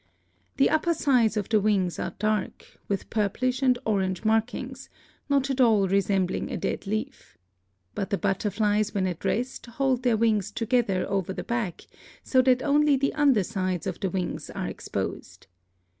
The upper sides of the wings are dark, with purplish and orange markings, not at all resembling a dead leaf. But the butterflies when at rest hold their wings together over the back, so that only the under sides of the wings are exposed.